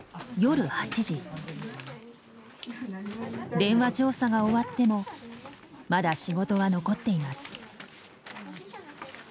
電話調査が終わってもまだ仕事は残っています。